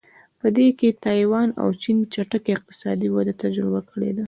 په دې کې تایوان او چین چټکه اقتصادي وده تجربه کړې ده.